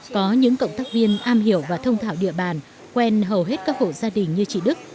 có những cộng tác viên am hiểu và thông thảo địa bàn quen hầu hết các hộ gia đình như chị đức